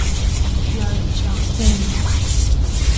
yaarchakuny